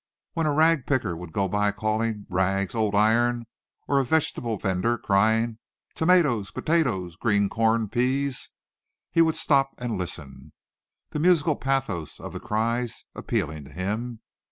When a rag picker would go by calling "rags, old iron," or a vegetable vender crying "tomatoes, potatoes, green corn, peas," he would stop and listen, the musical pathos of the cries appealing to him.